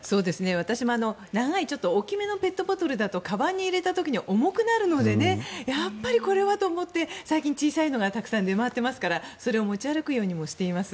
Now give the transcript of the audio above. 私も長い大きめのペットボトルだとかばんに入れた時に重くなるのでやっぱりこれはと思って最近、小さいのがたくさん出回っていますからそれを持ち歩くようにしています。